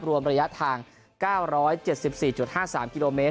รวมระยะทาง๙๗๔๕๓กิโลเมตร